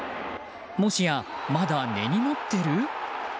もしや、まだ根に持っている？